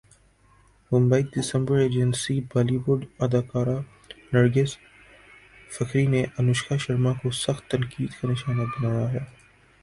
Mumbai December agency Bollywood اداکارہ نرگس فخری نے انوشکا شرما کو سخت تنقید کا نشانہ بنایا ہے